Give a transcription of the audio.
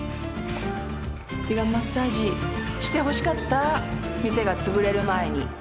美顔マッサージしてほしかったあ店がつぶれる前に。